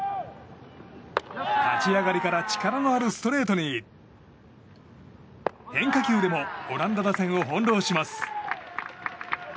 立ち上がりから力のあるストレートに変化球でもオランダ打線を翻弄します。